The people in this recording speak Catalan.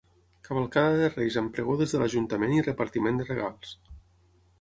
Cavalcada de Reis amb pregó des de l'Ajuntament i repartiment de regals.